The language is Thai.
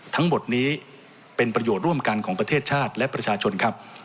ทั้งหมดนี้เป็นประโยชน์ร่วมกันของประเทศชาติและประชาชนครับ